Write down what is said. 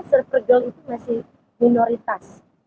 surfer girl itu masih minoritas